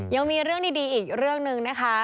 ยังมีเรื่องดีอีกเรื่องหนึ่งนะคะ